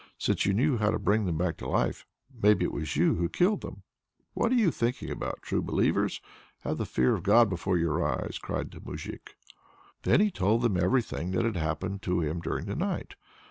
Since you knew how to bring them back to life, maybe it was you who killed them!" "What are you thinking about, true believers! Have the fear of God before your eyes!" cried the moujik. Then he told them everything that had happened to him during the night.